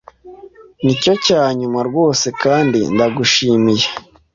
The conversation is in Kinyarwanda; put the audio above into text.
Nicyo cyanyuma rwose kandi ndagushimiye